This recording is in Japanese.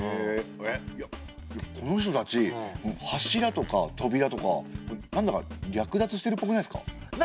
えっいやこの人たち柱とかとびらとかなんだか略奪してるっぽくないですか？